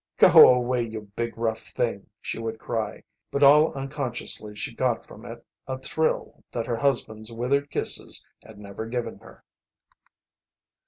"Go away, you big rough thing!" she would cry. But all unconsciously she got from it a thrill that her husband's withered kisses had never given her.